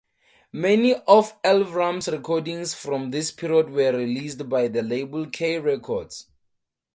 Many of Elvrum's recordings from this period were released by the label K Records.